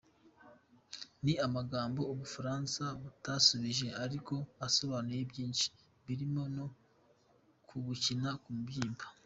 Ni amagambo u Bufaransa butasubije ariko asobanuye byinshi, birimo no kubukina ku mubyimba.